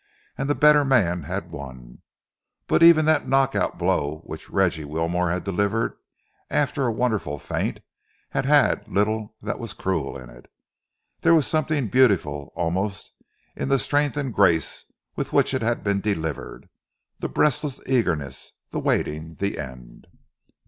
And the better man had won. But even that knock out blow which Reggie Wilmore had delivered after a wonderful feint, had had little that was cruel in it. There was something beautiful almost in the strength and grace with which it had been delivered the breathless eagerness, the waiting, the end.